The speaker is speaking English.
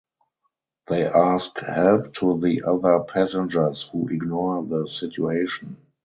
They ask help to the other passengers who ignore the situation.